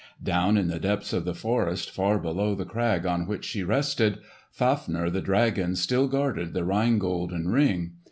Down in the depths of the forest far below the crag on which she rested, Fafner the dragon still guarded the Rhine Gold and Ring.